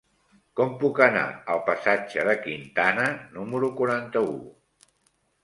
Com puc anar al passatge de Quintana número quaranta-u?